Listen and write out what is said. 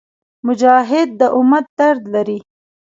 مجاهد د امت درد لري.